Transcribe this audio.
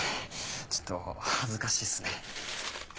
ちょっと恥ずかしいっすね。